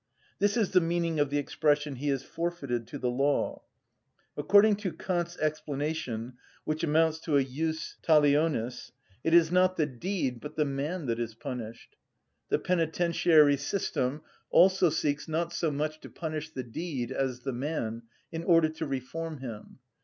This is the meaning of the expression, "He is forfeited to the law." According to Kant's explanation, which amounts to a jus talionis, it is not the deed but the man that is punished. The penitentiary system also seeks not so much to punish the deed as the man, in order to reform him.